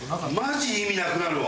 マジ意味なくなるわ。